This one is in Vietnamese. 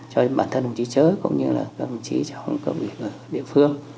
cho bản thân đồng chí chớ cũng như là đồng chí chồng cộng việc ở địa phương